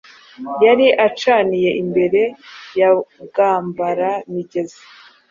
Yari acaniye imbere ya Bwambara-migezi